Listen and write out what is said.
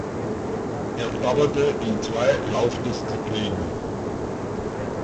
Er startete in zwei Laufdisziplinen.